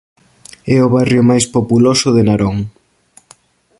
É o barrio máis populoso de Narón.